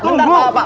bentar aja pak